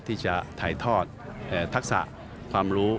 ที่จะถ่ายทอดทักษะความรู้